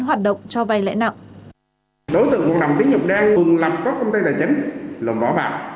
hoạt động cho vay lãi nặng đối tượng một đồng tín dụng đen vừa lập các công ty tài chính lộn vỏ